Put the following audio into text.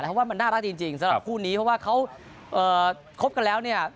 เพราะว่ามันน่ารักจริงสำหรับคู่นี้เพราะว่าเขาคบกันแล้วเนี่ย